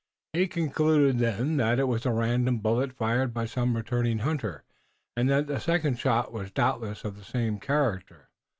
He concluded then that it was a random bullet fired by some returning hunter, and that the second shot was doubtless of the same character.